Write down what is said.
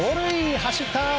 走った！